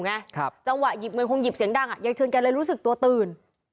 จังหวะเหมือนคงหยิบเสียงดังยายเชือนกันเลยรู้สึกตัวตื่น